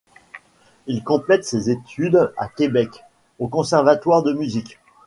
Il complète ses études à Québec, au Conservatoire de musique.